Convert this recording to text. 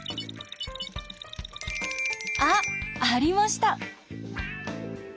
あっ！ありました。